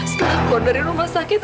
setelah keluar dari rumah sakit